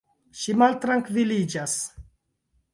Ŝi maltrankviliĝas.